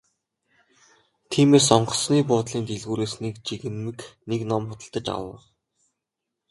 Тиймээс онгоцны буудлын дэлгүүрээс нэг жигнэмэг нэг ном худалдаж авав.